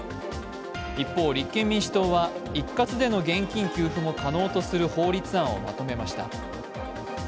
一方、立憲民主党は一括での現金給付も可能とする法律案をまとめました。